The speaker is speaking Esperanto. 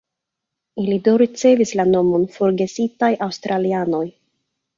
Ili do ricevis la nomon "Forgesitaj Aŭstralianoj".